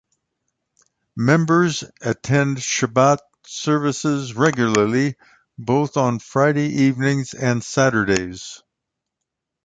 Members attend Shabbat services regularly both on Friday evenings and Saturdays.